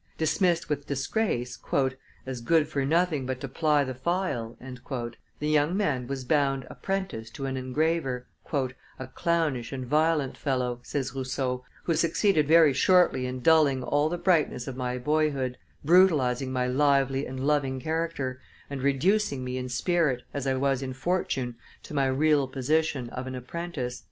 Dismissed with disgrace "as good for nothing but to ply the file," the young man was bound apprentice to an engraver, "a clownish and violent fellow," says Rousseau, "who succeeded very shortly in dulling all the brightness of my boyhood, brutalizing my lively and loving character, and reducing me in spirit, as I was in fortune, to my real position of an apprentice."